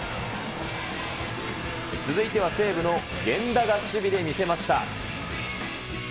続いては西武の源田が守備で見せました。